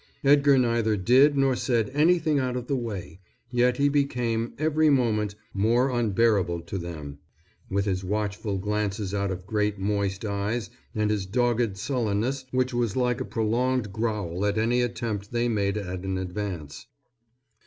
Edgar neither did nor said anything out of the way, yet he became, every moment, more unbearable to them, with his watchful glances out of great moist eyes and his dogged sullenness which was like a prolonged growl at any attempt they made at an advance.